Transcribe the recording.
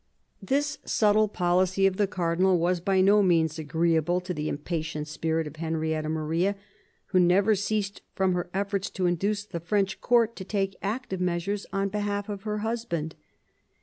This subtle policy of the cardinal was by no means agreeable to the impatient spirit of Henrietta Maria, who never ceased from her efforts to induce the French court to take active measures on behalf of her husband.